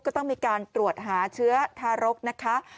ก็ต้องมีการตรวจหาเชื้อทารกนะคะ